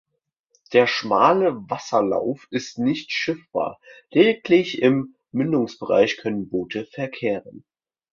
Der schmale Wasserlauf ist nicht schiffbar, lediglich im Mündungsbereich können Boote verkehren.